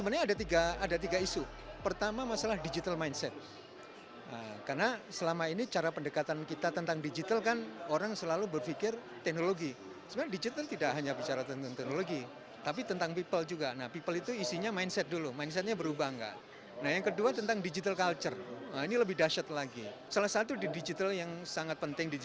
nah ini yang harus dikembangkan